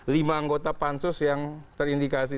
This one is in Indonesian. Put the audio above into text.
lima anggota pansus yang terindikasi